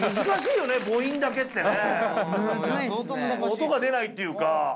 音が出ないっていうか。